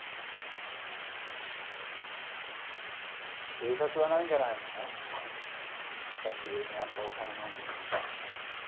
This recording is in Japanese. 警察はないんじゃないの久しぶりに会った幼なじみに。